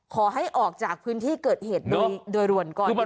ขอให้ออกจากพื้นที่เกิดเหตุโดยรวมก่อน